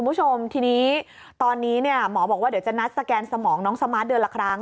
คุณผู้ชมทีนี้ตอนนี้เนี่ยหมอบอกว่าเดี๋ยวจะนัดสแกนสมองน้องสมาร์ทเดือนละครั้ง